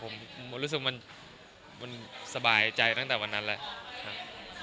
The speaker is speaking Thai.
ผมรู้สึกมันสบายใจตั้งแต่วันนั้นแหละครับ